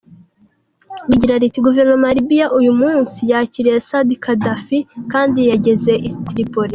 Rigira riti : "Guverinoma ya Libiya uyu munsi yakiriye Saadi Gaddafi kandi yageze i Tripoli.